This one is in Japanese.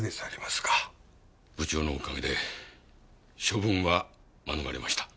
部長のおかげで処分は免れました。